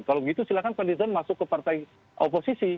kalau begitu silakan fadil zon masuk ke partai oposisi